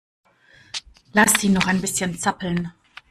Lass sie noch ein bisschen zappeln.